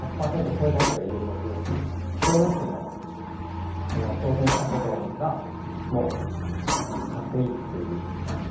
１００％超えたやつが優勝するし、超えなくても、挑戦したことがもう、格好いいっていう。